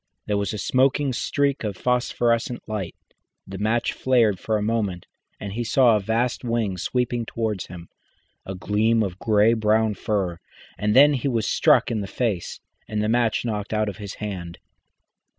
There was a smoking streak of phosphorescent light, the match flared for a moment, and he saw a vast wing sweeping towards him, a gleam of grey brown fur, and then he was struck in the face and the match knocked out of his hand.